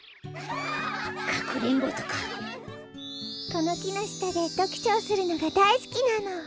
このきのしたでどくしょをするのがだいすきなの。